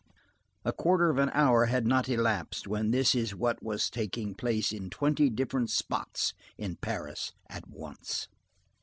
A quarter of an hour had not elapsed when this is what was taking place at twenty different spots in Paris at once.